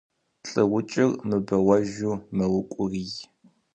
Лӏыукӏыр мыбэуэжу мэукӏурий.